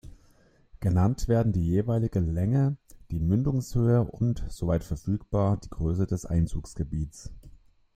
Genannt werden die jeweilige Länge, die Mündungshöhe und, soweit verfügbar, die Größe des Einzugsgebiets.